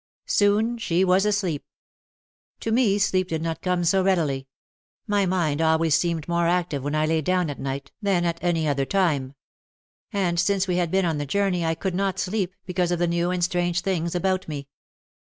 Soon she was asleep. To me sleep did not come so readily. My mind always seemed more active when I lay down at night than at any 58 OUT OF THE SHADOW other time. And since we had been on the journey I could not sleep because of the new and strange things about me.